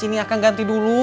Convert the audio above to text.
ini akang ganti dulu